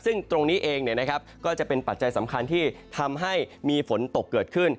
ซึ่งตรงนี้เองก็จะเป็นปัจจัยสำคัญที่ทำให้มีฝนตกเกิดขึ้น